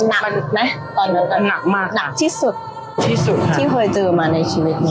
หนักมากค่ะที่สุดที่เคยเจอมาในชีวิตนี้ใช่ค่ะหนักมากค่ะที่สุดที่เคยเจอมาในชีวิตนี้